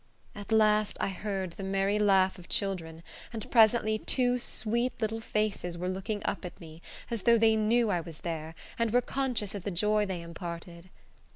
At last I heard the merry laugh of children, and presently two sweet little faces were looking up at me, as though they knew I was there, and were conscious of the joy they imparted.